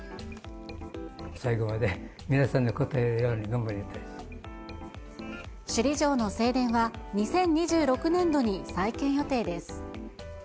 最後まで皆さんの応えられる首里城の正殿は、２０２６年度に再建予定です。